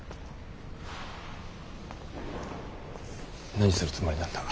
何するつもりなんだ。